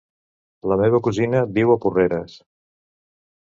La meva cosina viu a Porreres.